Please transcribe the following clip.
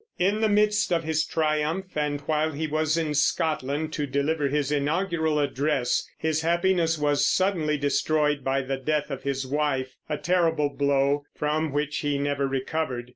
In the midst of his triumph, and while he was in Scotland to deliver his inaugural address, his happiness was suddenly destroyed by the death of his wife, a terrible blow, from which he never recovered.